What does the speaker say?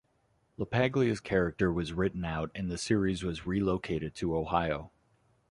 LaPaglia's character was written out and the series was relocated to Ohio.